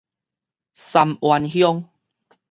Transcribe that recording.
三灣鄉